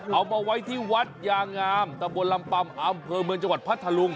เอามาไว้ที่วัดยางามตะบนลำปำอำเภอเมืองจังหวัดพัทธลุง